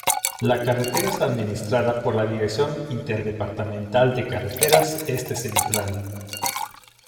La carretera es administrada por la Dirección Interdepartamental de Carreteras Este Central.